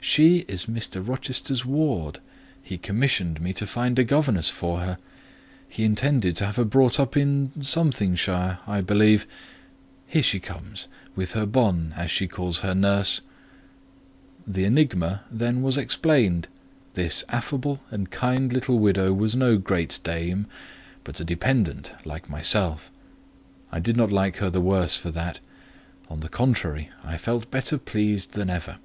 "She is Mr. Rochester's ward; he commissioned me to find a governess for her. He intended to have her brought up in ——shire, I believe. Here she comes, with her 'bonne,' as she calls her nurse." The enigma then was explained: this affable and kind little widow was no great dame; but a dependent like myself. I did not like her the worse for that; on the contrary, I felt better pleased than ever.